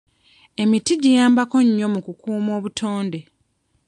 Emiti giyambako nnyo mu kukuuma obutonde.